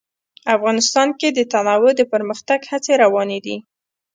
افغانستان کې د تنوع د پرمختګ هڅې روانې دي.